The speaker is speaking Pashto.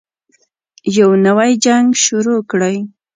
يو نـوی جـنګ شروع كړئ.